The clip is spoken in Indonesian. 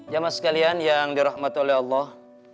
jamah sekalian yang dirahmatu oleh allah